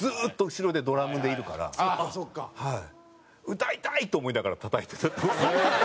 歌いたいと思いながらたたいてたって。